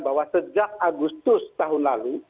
bahwa sejak agustus tahun lalu